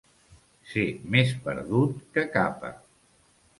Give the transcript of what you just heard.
Ser més perdut que Capa.